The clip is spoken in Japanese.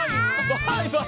バイバイ。